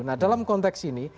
nah dalam konteks ini